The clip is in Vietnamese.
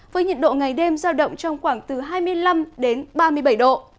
với nhiệt độ ngày đêm giao động trong khoảng từ hai mươi năm đến ba mươi bảy độ